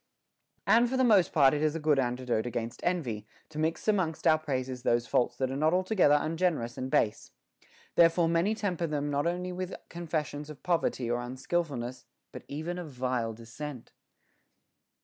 t And for the most part it is a good antidote against envy, to mix amongst our praises those faults that are not al together ungenerous and base. Therefore many temper them not only with confessions of poverty or unskil fulness, but even of vile descent.